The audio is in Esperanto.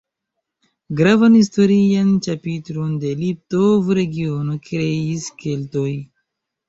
Gravan historian ĉapitron de Liptov-regiono kreis Keltoj.